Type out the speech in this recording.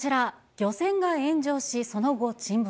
漁船が炎上し、その後沈没。